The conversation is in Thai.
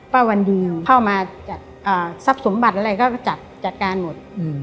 ป้าวันดีเข้ามาสรรพสมบัติอะไรก็จัดการหมด